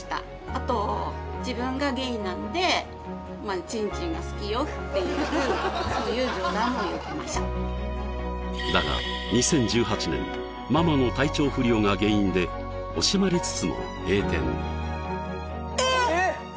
あと自分がゲイなんでちんちんが好きよっていうそういう冗談も言ってましただが２０１８年ママの体調不良が原因で惜しまれつつも閉店えっ？